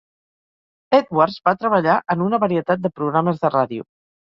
Edwards va treballar en una varietat de programes de ràdio.